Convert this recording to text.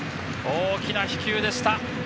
大きな飛球でした。